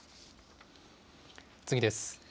次です。